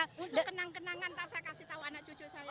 untuk kenang kenangan nanti saya kasih tau anak cucu saya